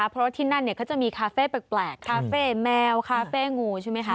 เพราะว่าที่นั่นเขาจะมีคาเฟ่แปลกคาเฟ่แมวคาเฟ่งูใช่ไหมคะ